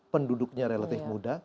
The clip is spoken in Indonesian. penduduknya relatif muda